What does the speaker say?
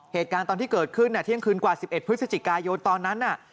เหตุการณ์ตอนที่เกิดขึ้นเที่ยงคืนกว่า๑๑พฤศจิกายนตอนนั้นน่ะ